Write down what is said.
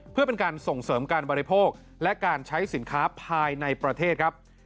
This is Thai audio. เพื่อเป็นการส่งเสริมการบริโภคและการใช้สินค้าภายในประเทศครับ